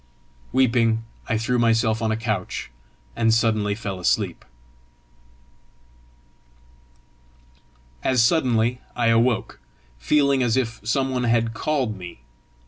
Weeping I threw myself on a couch, and suddenly fell asleep. As suddenly I woke, feeling as if some one had called me.